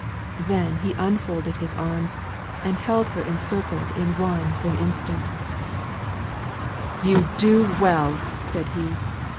Then he unfolded his arms, and held her encircled in one for an instant: "You do well!" said he.